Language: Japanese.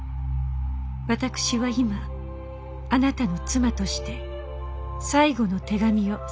私は今あなたの妻として最後の手紙を差し上げます。